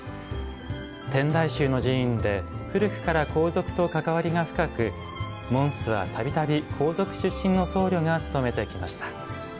天台宗の寺院で古くから皇族と関わりが深く門主はたびたび皇族出身の僧侶が務めてきました。